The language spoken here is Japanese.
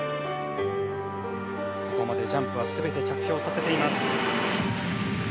ここまでジャンプは全て着氷させています。